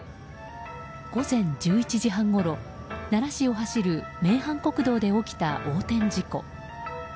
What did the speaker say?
午前１１時半ごろ奈良市を走る名阪国道で起きた横転事故。